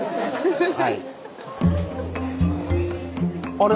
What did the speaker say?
あれ？